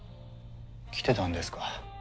来てたんですか。